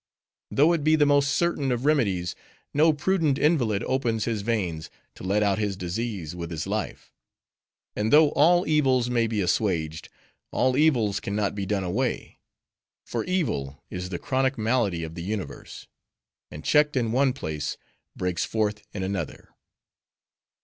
Though it be the most certain of remedies, no prudent invalid opens his veins, to let out his disease with his life. And though all evils may be assuaged; all evils can not be done away. For evil is the chronic malady of the universe; and checked in one place, breaks forth in another.